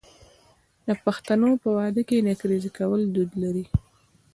د پښتنو په واده کې نکریزې کول دود دی.